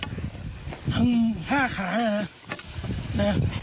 ทั้ง๕ขาเลยนะ